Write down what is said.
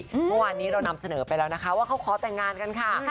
เมื่อวานนี้เรานำเสนอไปแล้วนะคะว่าเขาขอแต่งงานกันค่ะ